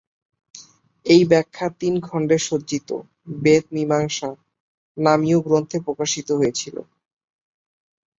এই ব্যাখ্যা তিন খণ্ডে সজ্জিত "বেদ মীমাংসা" নামীয় গ্রন্থে প্রকাশিত হয়েছিল।